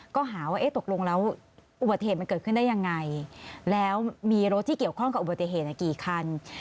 ก็หาว่าตกลงแล้วอุบัติเหตุมันเกิดขึ้นได้ยังไงแล้วมีรถที่เกี่ยวข้องกับอุบัติเหตุกี่คัน